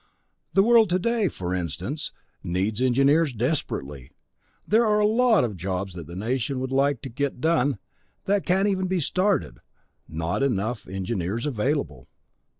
The world today, for instance, needs engineers desperately. There a lot of jobs that the Nation would like to get done that can't even be started; not enough engineers available.